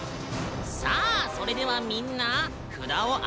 さあそれではみんな札を挙げてもらうよ。